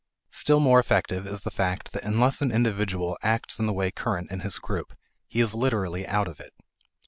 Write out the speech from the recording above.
Still more effective is the fact that unless an individual acts in the way current in his group, he is literally out of it.